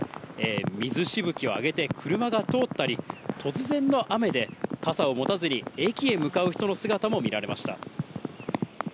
水しぶきを上げて車が通ったり、突然の雨で、傘を持たずに駅へ向かう人の姿も見られました。